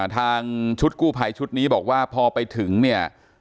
ทางชุดกู้ภัยชุดนี้บอกว่าพอไปถึงเนี่ย